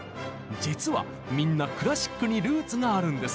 実はみんなクラシックにルーツがあるんです。